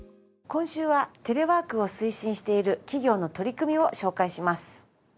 今週はテレワークを推進している企業の取り組みを紹介します。